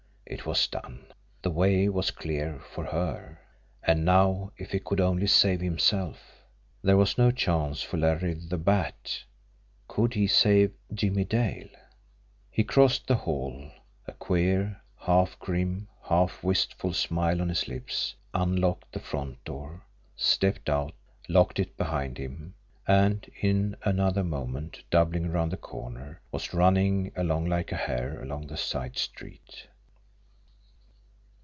It was done! The way was clear for her. And now if he could only save himself! There was no chance for Larry the Bat! Could he save JIMMIE DALE! He crossed the hall, a queer, half grim, half wistful smile on his lips, unlocked the front door, stepped out, locked it behind him and in another moment, doubling around the corner, was running along like a hare along the side street.